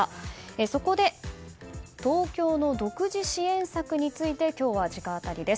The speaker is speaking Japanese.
そこで東京の独自支援策について今日は直アタリです。